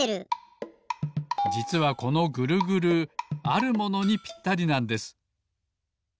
じつはこのグルグルあるものにぴったりなんです。